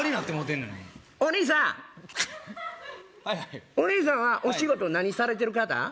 はいお兄さんはお仕事何されてる方？